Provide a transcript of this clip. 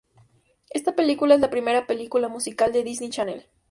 Esta película es la primera película musical de Disney Channel.